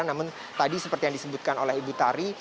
namun tadi seperti yang disebutkan oleh ibu tari